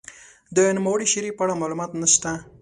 د نوموړې شاعرې په اړه معلومات نشته.